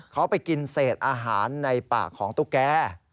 เขาไปกินเศษอาหารในปากของตุ๊กแก